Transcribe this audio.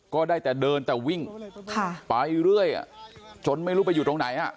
ก็ได้แต่เดินแต่วิ่งไปเรื่อยจนไม่รู้ไปอยู่ตรงไหน